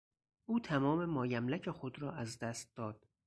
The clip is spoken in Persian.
او تمام مایملک خود را از دست داد.